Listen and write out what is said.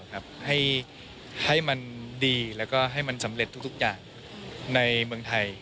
ให้มันดีแล้วก็ให้มันสำเร็จทุกอย่างในเมืองไทย